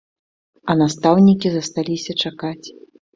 А настаўнікі засталіся чакаць.